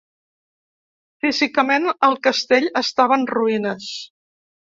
Físicament, el castell estava en ruïnes.